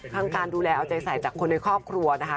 การดูแลเอาใจใส่จากคนในครอบครัวนะคะ